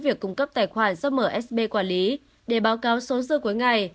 việc cung cấp tài khoản do msb quản lý để báo cáo số dư cuối ngày